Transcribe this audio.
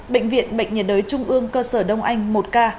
bệnh viện bệnh nhiệt đới trung ương cơ sở đông anh một ca